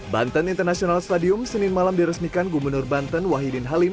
banten international stadium senin malam diresmikan gubernur banten wahidin halim